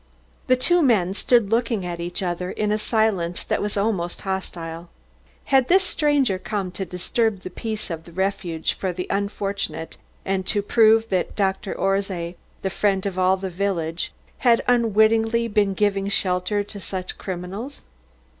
The two men stood looking at each other in a silence that was almost hostile. Had this stranger come to disturb the peace of the refuge for the unfortunate and to prove that Dr. Orszay, the friend of all the village, had unwittingly been giving shelter to such criminals?